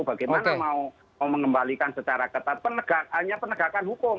bagaimana mau mengembalikan secara ketat hanya penegakan hukum